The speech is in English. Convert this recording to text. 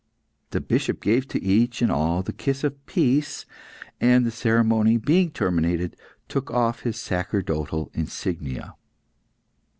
The Bishop gave to each and all the kiss of peace, and, the ceremony being terminated, took off his sacerdotal insignia.